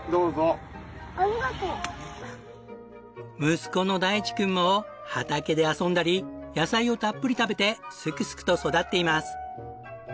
息子の大地くんも畑で遊んだり野菜をたっぷり食べてすくすくと育っています。